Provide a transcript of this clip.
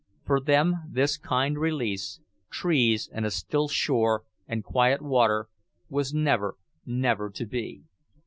For them this kind release, trees and a still shore and quiet water, was never, never to be.